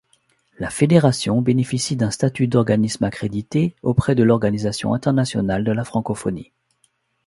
La fédération bénéficie d'un statut d'organisme accrédité auprès de l'Organisation internationale de la francophonie.